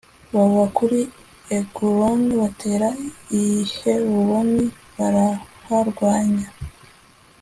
bava kuri eguloni batera i heburoni baraharwanya